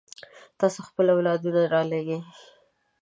تاسو خپل اولادونه رالېږئ.